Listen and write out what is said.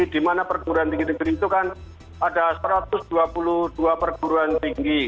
di mana perguruan tinggi negeri itu kan ada satu ratus dua puluh dua perguruan tinggi